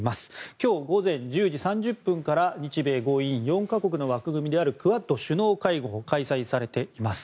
今日午前１０時３０分から日米豪印４か国の枠組みであるクアッド首脳会合が開催されています。